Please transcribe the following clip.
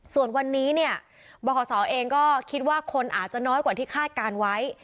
ส่วนวันนี้เนี่ยบขศเองก็คิดว่าคนอาจจะน้อยกว่าที่คาดการณ์ไว้